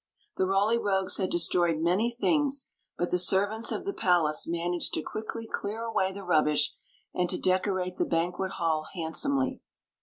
The Roly Rogues had destroyed many things, but the servants of the palace managed to quickly clear ^ away the rubbish and to decorate the banquet hall ' handsomely.